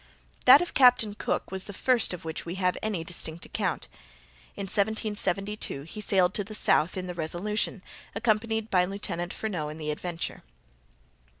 That of Captain Cook was the first of which we have any distinct account. In 1772 he sailed to the south in the Resolution, accompanied by Lieutenant Furneaux in the Adventure.